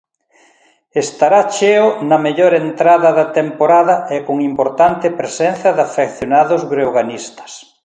Estará cheo na mellor entrada da temporada e con importante presenza de afeccionados breoganistas.